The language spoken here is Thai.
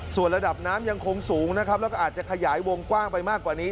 ส่วนระดับน้ำยังคงสูงนะครับแล้วก็อาจจะขยายวงกว้างไปมากกว่านี้